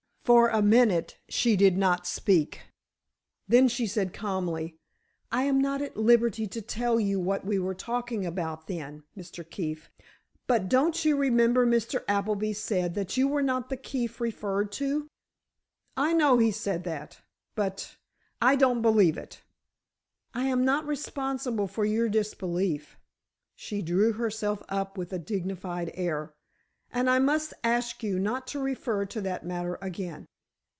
For a minute she did not speak, then she said, calmly: "I am not at liberty to tell you what we were talking about then, Mr. Keefe, but don't you remember Mr. Appleby said that you were not the Keefe referred to?" "I know he said that, but—I don't believe it." "I am not responsible for your disbelief," she drew herself up with a dignified air. "And I must ask you not to refer to that matter again."